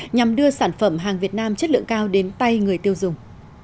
nhằm đưa sản phẩm hàng việt nam chất lượng cao đến tay người tiêu dùng